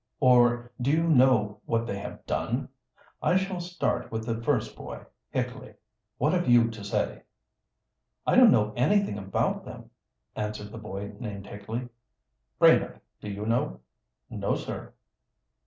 or Do you know what they have done? I shall start with the first boy. Hickley, what have you to say?" "I don't know anything about them," answered the boy named Hickley. "Brainard, do you know?" "No, sir."